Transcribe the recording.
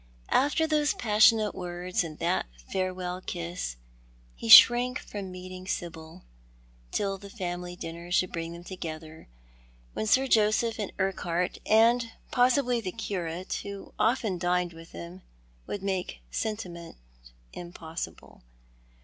After those passionate words and that farewell kiss he shrank from meeting In the Pine Wood. 105 Sibyl, till the family dinner should bring them together, when Sir Joseph and Urqiihart, and possibly the curate, who often dined with theiti, would make sentiment impossible.